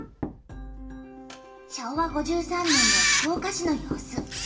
昭和５３年の福岡市の様子。